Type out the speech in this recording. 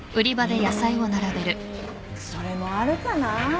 うんそれもあるかな。